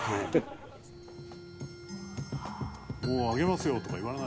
「もうあげますよとか言わない？」